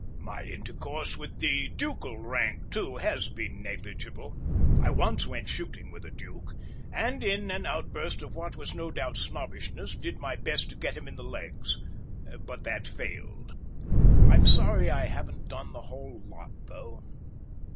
My intercourse with the ducal rank too has been negligible; I once went shooting with a duke, and in an outburst of what was no doubt snobbishness, did my best to get him in the legs. But that failed. I'm sorry I haven't done the whole lot though....